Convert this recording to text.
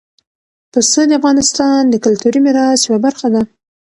پسه د افغانستان د کلتوري میراث یوه برخه ده.